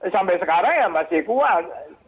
sampai sekarang ya masih kuat